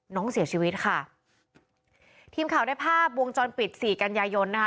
น้องเสียชีวิตค่ะทีมข่าวได้ภาพวงจรปิดสี่กันยายนนะคะ